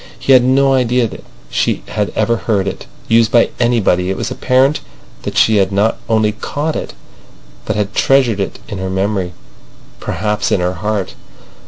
He had no idea that she had ever heard it used by anybody. It was apparent that she had not only caught it, but had treasured it in her memory—perhaps in her heart.